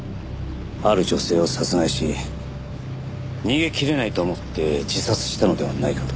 ある女性を殺害し逃げ切れないと思って自殺したのではないかと。